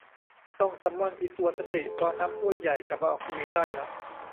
ต้องซัมมอนอิตัวสติตอนน้ำท่วมใหญ่กลับมาออกทีวีได้ละ